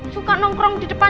suka nongkrong di depan